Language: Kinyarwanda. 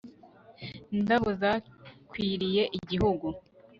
indabo zakwiriye igihugu